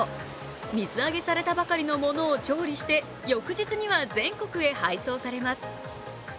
水揚げされたばかりのものを調理して翌日には全国へ配送されます。